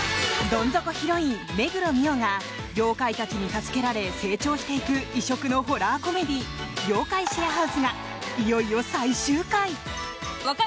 どん底ヒロイン、目黒澪が妖怪たちに助けられ成長していく異色のホラーコメディー「妖怪シェアハウス」がいよいよ最終怪！